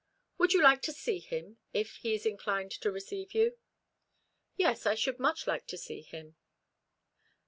Would you like to see him, if he is inclined to receive you?" "Yes, I should much like to see him."